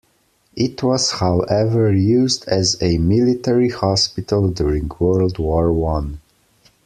It was however used as a military hospital during World War One.